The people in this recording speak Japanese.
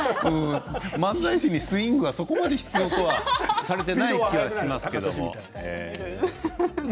漫才師にスイングはそこまで必要とされていないと思いますけれども。